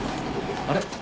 あれ？